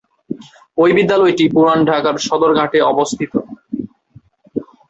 এই বিদ্যালয়টি পুরান ঢাকার সদরঘাট এ অবস্থিত।